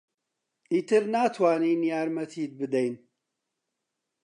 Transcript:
ئیتر ناتوانین یارمەتیت بدەین.